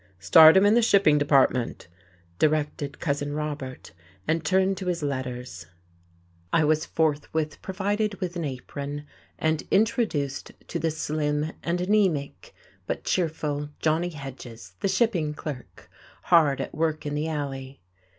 "Start him in the shipping department," directed Cousin Robert, and turned to his letters. I was forthwith provided with an apron, and introduced to the slim and anaemic but cheerful Johnny Hedges, the shipping clerk, hard at work in the alley.